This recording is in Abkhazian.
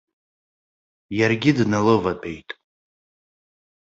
Иаргьы дналыватәеит.